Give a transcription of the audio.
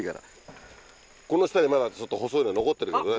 この下にまだちょっと細いの残ってるけどね。